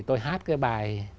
tôi hát cái bài